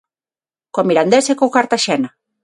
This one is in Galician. Co Mirandés e co Cartaxena.